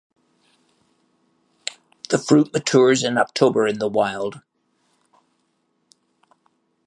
The fruit matures in October in the wild.